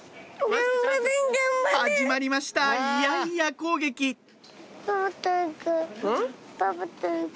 始まりましたイヤイヤ攻撃ん？